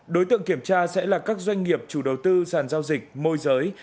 đối tượng kiểm tra sẽ là các doanh nghiệp chủ đầu tư sàn giao dịch môi giới